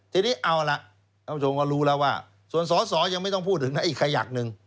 ทีนี้เอาล่ะท่านผู้ชมก็รู้แล้วว่าส่วนสอสอยังไม่ต้องพูดถึงนะอีกขยักหนึ่ง